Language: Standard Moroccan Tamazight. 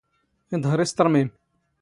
ⵉⴹⵀⵕ ⵉⵙ ⵜⵕⵎⵉⵎ.